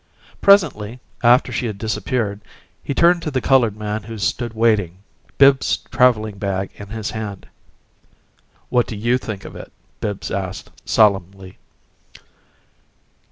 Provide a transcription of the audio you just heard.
Presently, after she had disappeared, he turned to the colored man who stood waiting, Bibbs's traveling bag in his hand. "What do YOU think of it?" Bibbs asked, solemnly.